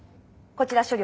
こちら処理